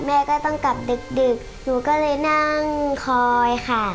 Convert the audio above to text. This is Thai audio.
แม่ก็ต้องกลับดึกหนูก็เลยนั่งคอยค่ะ